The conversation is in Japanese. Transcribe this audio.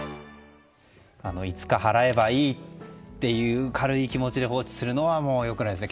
いつか払えばいいっていう軽い気持ちで放置するのはよくないですね。